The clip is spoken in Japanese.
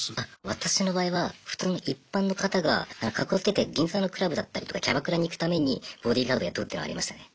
私の場合は普通の一般の方がカッコつけて銀座のクラブだったりとかキャバクラに行くためにボディーガード雇うっていうのありましたね。